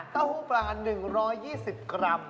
เต้าหู้ปลา๑๒๐กรัม